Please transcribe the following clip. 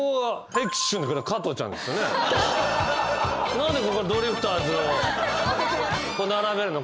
何でここはドリフターズを並べるの？